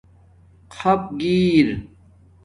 خَپ گِیر